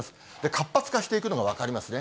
活発化していくのが分かりますね。